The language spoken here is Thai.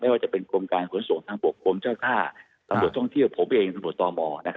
ไม่ว่าจะเป็นกรมการขนส่งทางบวกกรมเจ้าท่าทางบวกท่องเที่ยวผมเองทางบวกตรม